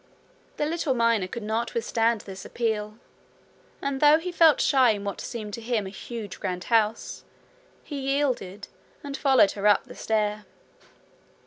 The little miner could not withstand this appeal, and though he felt shy in what seemed to him a huge grand house, he yielded, and followed her up the stair.